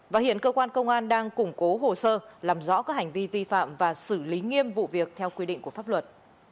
và hiện cơ quan công an đang củng cố hồ sơ làm rõ các hành vi vi phạm và xử lý nghiêm vụ việc theo quy định của pháp luật